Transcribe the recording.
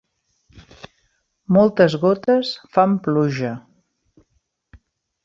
Moltes gotes fan pluja.